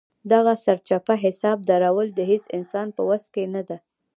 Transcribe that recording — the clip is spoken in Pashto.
دغه سرچپه حساب درول د هېڅ انسان په وس کې نه ده.